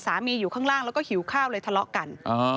อยู่ข้างล่างแล้วก็หิวข้าวเลยทะเลาะกัน